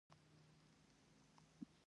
باسواده ښځې د معماری په برخه کې طرحې جوړوي.